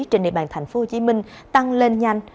trên địa bàn tp hcm tăng lên nhanh